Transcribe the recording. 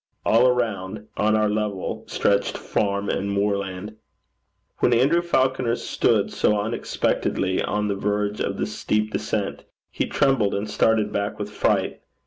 All around, on our level, stretched farm and moorland. When Andrew Falconer stood so unexpectedly on the verge of the steep descent, he trembled and started back with fright.